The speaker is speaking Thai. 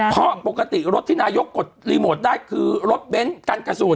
เพราะปกติรถที่นายกกดรีโมทได้คือรถเบ้นกันกระสุน